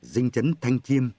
dinh chấn thanh chiêm